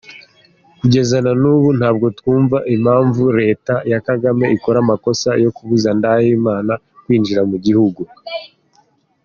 Kugeza nanubu ntabwo twumva impavu leta ya kagame ikora amakosa yokubuza ndahimana kwinjiramugihungu